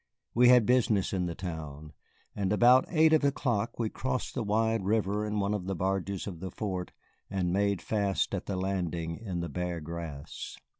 He had business in the town, and about eight of the clock we crossed the wide river in one of the barges of the fort and made fast at the landing in the Bear Grass.